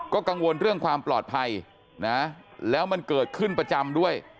ก็กังวลเรื่องความปลอดภัยนะแล้วมันเกิดขึ้นประจำด้วย